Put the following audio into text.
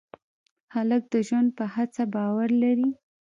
هلک د ژوند په هڅه باور لري.